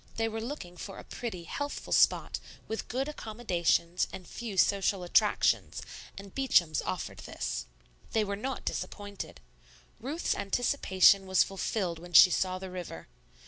They were looking for a pretty, healthful spot, with good accommodations and few social attractions, and Beacham's offered this. They were not disappointed. Ruth's anticipation was fulfilled when she saw the river.